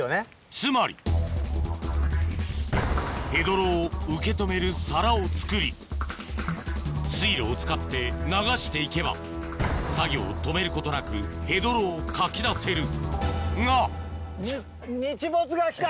つまりヘドロを受け止める皿を作り水路を使って流して行けば作業を止めることなくヘドロをかき出せるが日没が来た！